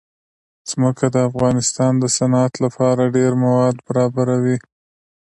ځمکه د افغانستان د صنعت لپاره ډېر مواد برابروي.